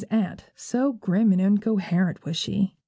's Aunt,' so grim and incoherent was she.